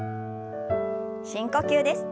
深呼吸です。